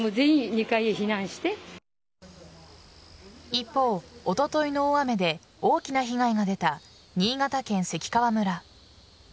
一方、おとといの大雨で大きな被害が出た新潟県関川村。